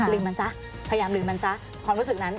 ลิงมันซะพยายามลืมมันซะความรู้สึกนั้น